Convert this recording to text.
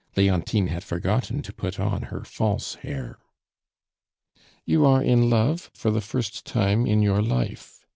Leontine had forgotten to put on her false hair. "You are in love for the first time in your life?"